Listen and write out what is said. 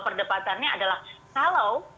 perdebatannya adalah kalau